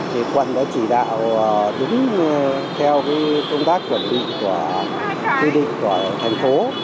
thì quân đã chỉ đạo đúng theo công tác quản lý của quy định của thành phố